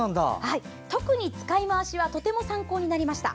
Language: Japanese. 特に使い回しはとても参考になりました。